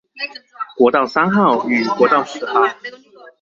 國道三號與國道十號